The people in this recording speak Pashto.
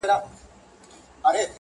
په عذاب رانه د كلي سودخوران دي!!